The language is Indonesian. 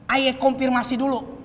ayah konfirmasi dulu